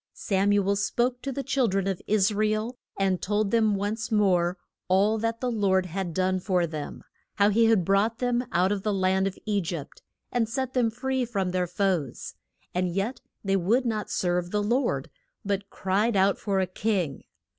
Sam u el spoke to the chil dren of Is ra el and told them once more all that the Lord had done for them, how he had brought them out of the land of E gypt, and set them free from their foes, and yet they would not serve the Lord, but cried out for a king.